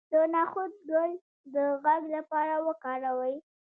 د نخود ګل د غږ لپاره وکاروئ